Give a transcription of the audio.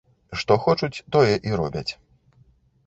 Што хочуць, тое і робяць.